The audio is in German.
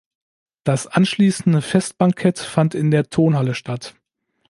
Das anschließende Festbankett fand in der Tonhalle statt.